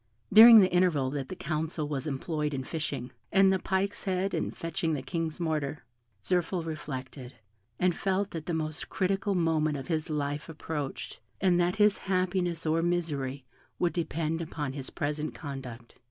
During the interval that the council was employed in fishing, and the pike's head in fetching the King's mortar, Zirphil reflected, and felt that the most critical moment of his life approached, and that his happiness or misery would depend upon his present conduct.